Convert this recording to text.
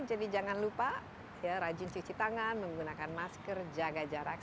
jadi jangan lupa rajin cuci tangan menggunakan masker jaga jarak